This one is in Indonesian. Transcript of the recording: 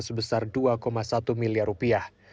sebesar dua satu miliar rupiah